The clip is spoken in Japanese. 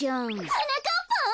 はなかっぱん？